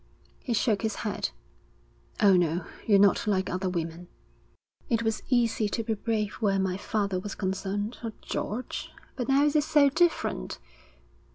He shook his head. 'Oh, no, you're not like other women.' 'It was easy to be brave where my father was concerned, or George, but now it's so different.